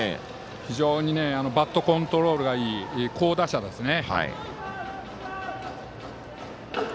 非常にバッターコントロールがいい好打者ですね。